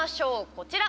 こちら！